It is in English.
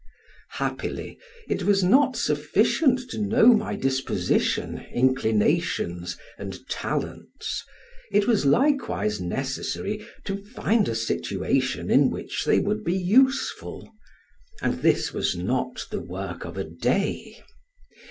Happily it was not sufficient to know my disposition, inclinations and talents; it was likewise necessary to find a situation in which they would be useful, and this was not the work of a day.